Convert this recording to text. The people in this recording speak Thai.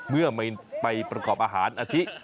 เมื่อไม่ไปประกอบอาหารอาทิ